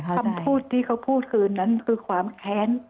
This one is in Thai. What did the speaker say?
คำพูดที่เขาพูดคืนนั้นคือความแค้น